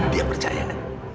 dia percaya kan